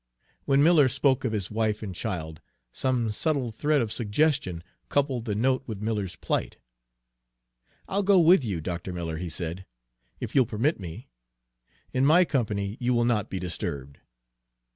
When Miller spoke of his wife and child, some subtle thread of suggestion coupled the note with Miller's plight. "I'll go with you, Dr. Miller," he said, "if you'll permit me. In my company you will not be disturbed."